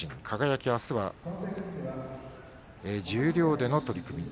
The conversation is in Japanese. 輝、あすは十両での取組。